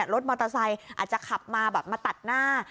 รถมอเตอร์ไซค์อาจจะขับมาแบบมาตัดหน้า